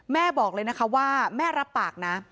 บอกเลยนะคะว่าแม่รับปากนะ